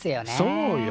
そうよ。